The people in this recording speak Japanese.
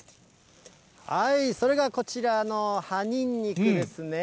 それがこちらの葉ニンニクですね。